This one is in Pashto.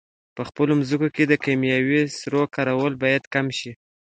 په خپلو مځکو کې د کیمیاوي سرو کارول باید کم شي.